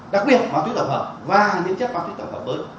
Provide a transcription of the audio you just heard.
đặc biệt ma túy tổng hợp và những chất ma túy tổng hợp mới